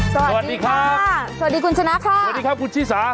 สวัสดีครับสวัสดีคุณชนะค่ะสวัสดีครับคุณชิสา